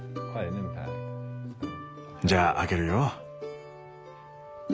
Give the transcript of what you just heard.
じゃあ開けるよ。